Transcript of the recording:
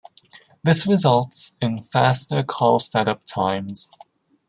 This results in faster call setup times.